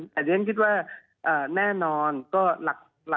แต่เรียกคิดว่าแน่นอนก็